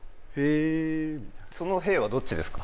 その「へえ」はどっちですか？